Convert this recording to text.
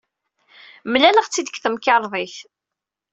Mlaleɣ-t-id deg temkarḍit.